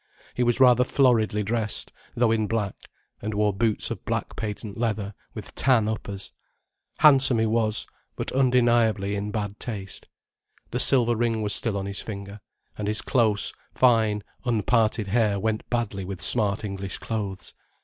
He was rather floridly dressed, though in black, and wore boots of black patent leather with tan uppers. Handsome he was—but undeniably in bad taste. The silver ring was still on his finger—and his close, fine, unparted hair went badly with smart English clothes.